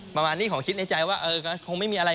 ประมาณนี้ผมคิดในใจว่าคงไม่มีอะไร